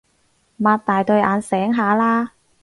擘大對眼醒下啦